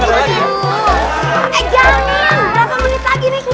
berapa menit lagi nih